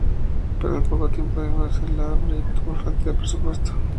Pero al poco tiempo se dejó de lado el proyecto por falta de presupuesto.